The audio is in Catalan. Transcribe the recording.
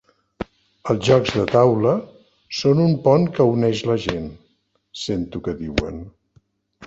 Els jocs de taula són un pont que uneix la gent —sento que diuen—.